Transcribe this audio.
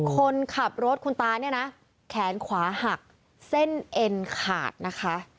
คนขับรถคุณตาเนี่ยนะแขนขวาหักเส้นเอ็นขาดนะคะ